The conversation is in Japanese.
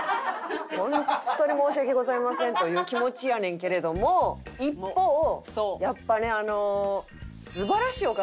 本当に申し訳ございませんという気持ちやねんけれども一方やっぱねあの素晴らしいお方。